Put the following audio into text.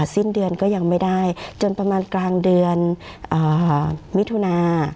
สิ้นเดือนก็ยังไม่ได้จนประมาณกลางเดือนมิถุนา